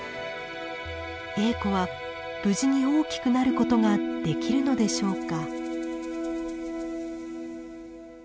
エーコは無事に大きくなることができるのでしょうか？